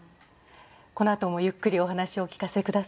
このあともゆっくりお話をお聞かせ下さい。